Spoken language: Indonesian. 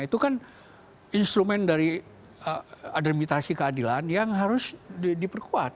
itu kan instrumen dari administrasi keadilan yang harus diperkuat